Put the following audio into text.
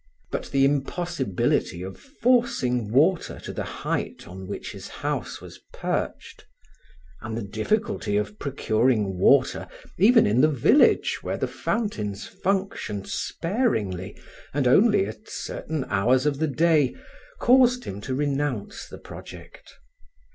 But the impossibility of forcing water to the height on which his house was perched, and the difficulty of procuring water even in the village where the fountains functioned sparingly and only at certain hours of the day, caused him to renounce the project.